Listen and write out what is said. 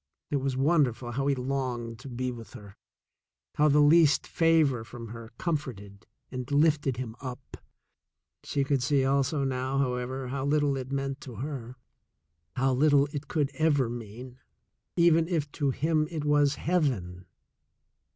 It was wonderful how he longed to be with her, how the least favor from her comforted and lifted him up. She could see also now, however, how little it meant to her, how little it could ever mean, even if to him it was heaven.